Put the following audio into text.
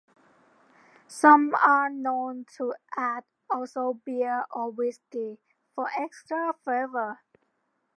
Some are known to add also beer or whiskey for extra flavor.